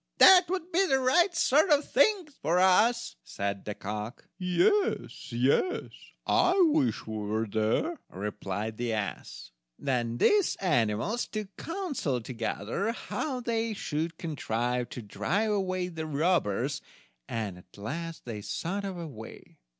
"That would be the right sort of thing for us," said the cock. "Yes, yes, I wish we were there," replied the ass. Then these animals took counsel together how they should contrive to drive away the robbers, and at last they thought of a way.